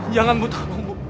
jangan bu tolong bu